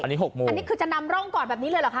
อันนี้๖โมงอันนี้คือจะนำร่องก่อนแบบนี้เลยเหรอคะ